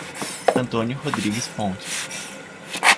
Antônio Rodrigues Pontes